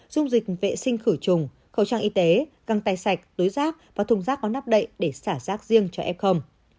dung dịch vệ sinh khử trùng khẩu trang y tế căng tay sạch túi rác và thùng rác có nắp đậy để xả rác riêng cho ép không